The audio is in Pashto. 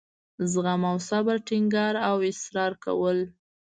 زغم او صبر ټینګار او اصرار کول.